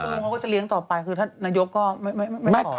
คุณคุณเขาก็จะเลี้ยงต่อไปคือถ้านายกก็ไม่ขอ